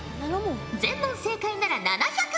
全問正解なら７００